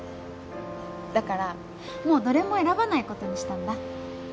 だからもうどれも選ばないことにしたんだ。